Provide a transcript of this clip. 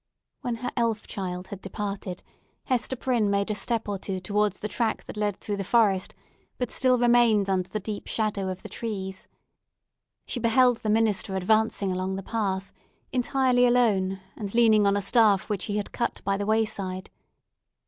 When her elf child had departed, Hester Prynne made a step or two towards the track that led through the forest, but still remained under the deep shadow of the trees. She beheld the minister advancing along the path entirely alone, and leaning on a staff which he had cut by the wayside.